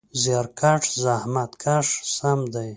زیارکښ: زحمت کښ سم دی.